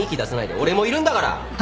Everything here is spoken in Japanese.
俺もいるんだから。